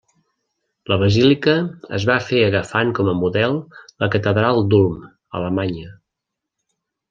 La basílica es va fer agafant com a model la catedral d'Ulm, a Alemanya.